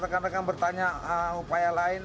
rekan rekan bertanya upaya lain